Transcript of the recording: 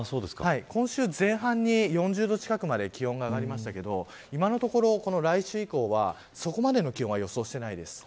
今週前半に４０度近くまで気温が上がりましたが今のところ来週以降はそこまでの気温は予想していないです。